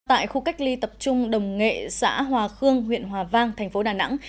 tại khu cách ly tập trung đồng nghệ xã hòa khương huyện hòa vang thành phố đà nẵng